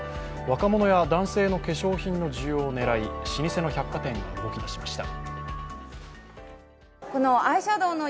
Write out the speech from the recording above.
若者や男性の化粧品の需要を狙い老舗の百貨店が動きだしました。